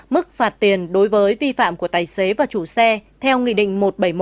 mức phạt tiền đối với vi phạm của tài xế và chủ xe theo nghị định một trăm bảy mươi một